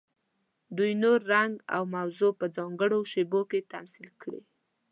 دوی نور، رنګ او موضوع په ځانګړو شیبو کې تمثیل کړي.